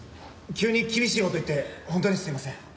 急に厳しいこと言ってほんとにすみません。